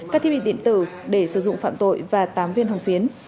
các thiết bị điện tử để sử dụng phạm tội và tám viên hồng phiến